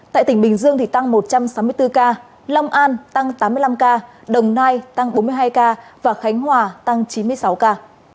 tại tỉnh bình dương tăng một trăm sáu mươi bốn ca long an tăng tám mươi năm ca đồng nai tăng bốn mươi hai ca và khánh hòa tăng chín mươi sáu ca